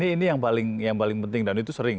ini yang paling yang paling penting dan itu sering